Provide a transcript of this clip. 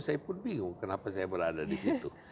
saya pun bingung kenapa saya berada di situ